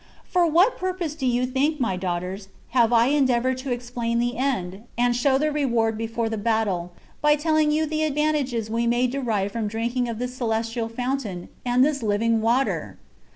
For what pur pose do you think, my daughters, have I endea voured to explain the end, and show the reward before the battle, by telling you the advantages we may derive from drinking of this celestial fountain, and this living water